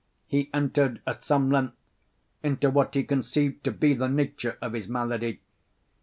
He entered, at some length, into what he conceived to be the nature of his malady.